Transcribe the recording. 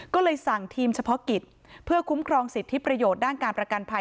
ก็เลยสั่งทีมเฉพาะกิจเพื่อคุ้มครองสิทธิประโยชน์ด้านการประกันภัย